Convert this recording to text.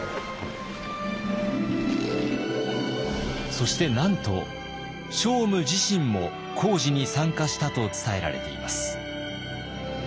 そしてなんと聖武自身も工事に参加したと伝えられています。